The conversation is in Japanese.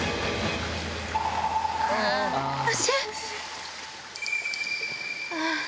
足？